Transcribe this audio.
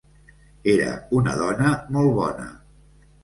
Era una dona molt bona!